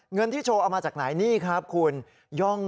ที่โชว์เอามาจากไหนนี่ครับคุณ